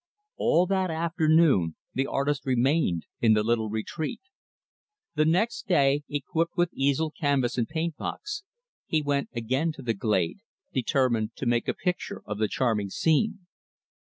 All that afternoon, the artist remained in the little retreat. The next day, equipped with easel, canvas and paint box, he went again to the glade determined to make a picture of the charming scene.